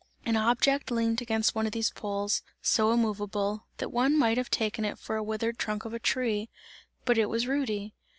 An object leant against one of these poles, so immoveable, that one might have taken it for a withered trunk of a tree; but it was Rudy.